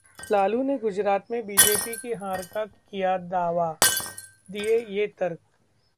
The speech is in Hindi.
लालू ने गुजरात में बीजेपी की हार का किया दावा, दिए ये तर्क